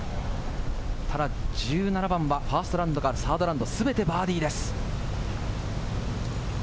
ただ１７番は、ファーストラウンドから３ｒｄラウンドまで、全てバーディーです。